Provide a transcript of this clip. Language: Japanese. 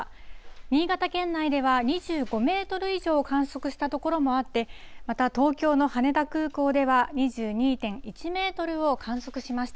新潟県内では、２５メートル以上を観測した所もあって、また東京の羽田空港では２２．１メートルを観測しました。